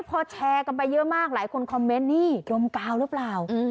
พอแชร์กันไปเยอะมากหลายคนคอมเมนต์นี่ดมกาวหรือเปล่า